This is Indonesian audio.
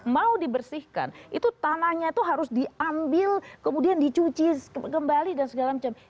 mau dibersihkan itu tanahnya itu harus diambil kemudian dicuci kembali dan segala macam